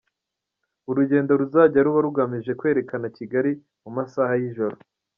Urugendo ruzajya ruba rugamije kwerekana Kigali mu masaha y’ijoro.